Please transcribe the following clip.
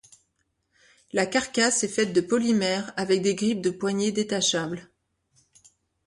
La carcasse est faite de polymères, avec des grips de poignées détachables.